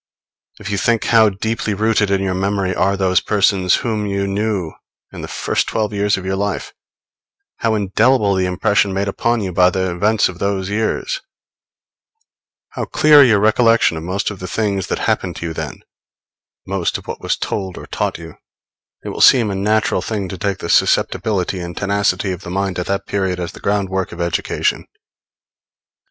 If you think how deeply rooted in your memory are those persons whom you knew in the first twelve years of your life, how indelible the impression made upon you by the events of those years, how clear your recollection of most of the things that happened to you then, most of what was told or taught you, it will seem a natural thing to take the susceptibility and tenacity of the mind at that period as the ground work of education.